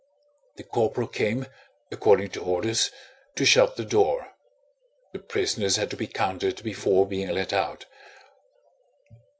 The corporal came, according to orders, to shut the door. The prisoners had to be counted before being let out.